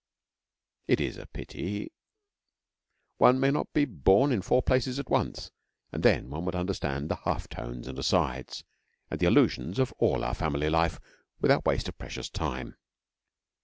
It is a pity one may not be born in four places at once, and then one would understand the half tones and asides, and the allusions of all our Family life without waste of precious time.